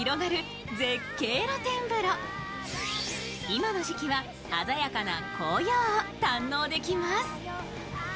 今の時期は鮮やかな紅葉を堪能できます。